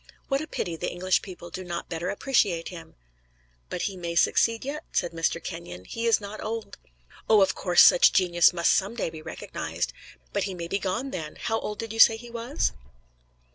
What a pity the English people do not better appreciate him! "But he may succeed yet," said Mr. Kenyon. "He is not old." "Oh, of course, such genius must some day be recognized. But he may be gone then how old did you say he was?"